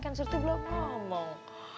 kan sorti belum ngomong